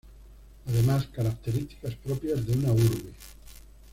Además características propias de una urbe.